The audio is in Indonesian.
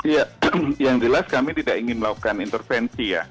ya yang jelas kami tidak ingin melakukan intervensi ya